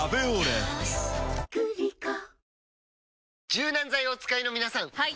柔軟剤をお使いの皆さんはい！